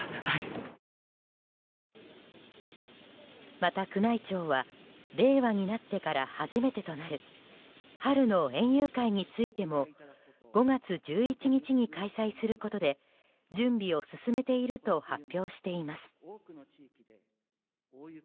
また宮内庁は令和になってから初めてとなる春の園遊会についても５月１１日に開催することで準備を進めていると発表しています。